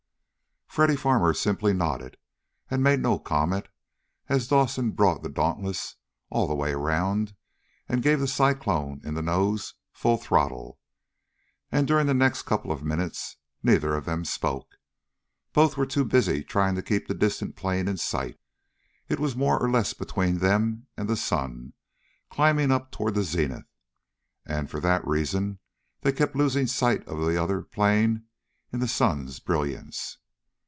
Freddy Farmer simply nodded, and made no comment as Dawson brought the Dauntless all the way around, and gave the Cyclone in the nose full throttle. And during the next couple of minutes neither of them spoke. Both were too busy trying to keep the distant plane in sight. It was more or less between them and the sun climbing up toward the zenith, and for that reason they kept losing sight of the other plane in the sun's brilliance.